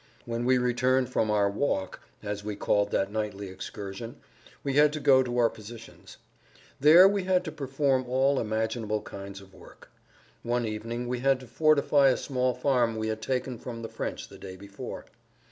When we returned from our "walk," as we called that nightly excursion, we had to go to our positions. There we had to perform all imaginable kinds of work. One evening we had to fortify a small farm we had taken from the French the day before.